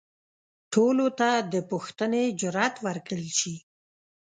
ټولو ته د پوښتنې جرئت ورکړل شي.